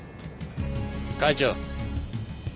会長。